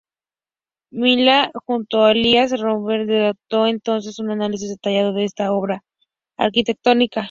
Milá, junto a Elías Rogent, redactó entonces un análisis detallado de esta obra arquitectónica.